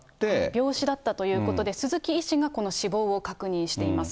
病死だったということで、鈴木医師がこの死亡を確認しています。